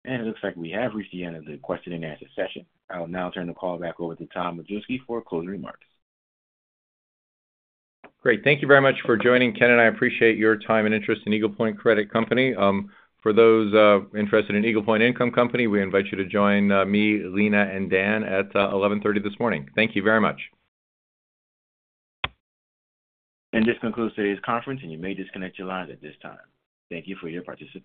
S1: It looks like we have reached the end of the question and answer session. I will now turn the call back over to Tom Majewski for closing remarks.
S3: Great. Thank you very much for joining, Ken, and I appreciate your time and interest in Eagle Point Credit Company. For those interested in Eagle Point Income Company, we invite you to join me, Lena, and Dan at 11:30 A.M. this morning. Thank you very much.
S1: This concludes today's conference, and you may disconnect your lines at this time. Thank you for your participation.